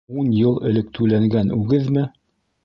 — Ун йыл элек түләнгән үгеҙме?